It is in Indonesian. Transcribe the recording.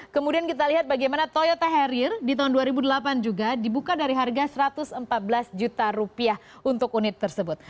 kemudian kita lihat bagaimana toyota carrier di tahun dua ribu delapan juga dibuka dari harga rp satu ratus empat belas juta rupiah untuk unit tersebut